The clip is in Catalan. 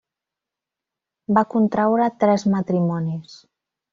Va contraure tres matrimonis.